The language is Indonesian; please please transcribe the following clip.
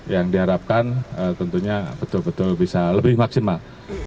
yang diharapkan tentunya betul betul bisa lebih maksimal